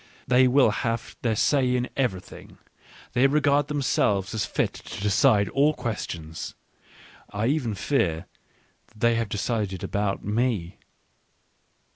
They will have their say in everything, they regard themselves as fit to decide all questions ; I even fear that they have decided about me.